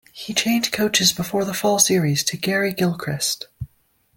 He changed coaches before the fall series to Gary Gilchrist.